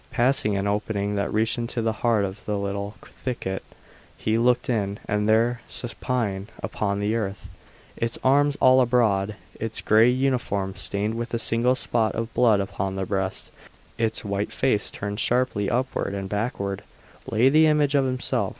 Passing an opening that reached into the heart of the little thicket he looked in, and there, supine upon the earth, its arms all abroad, its gray uniform stained with a single spot of blood upon the breast, its white face turned sharply upward and backward, lay the image of himself!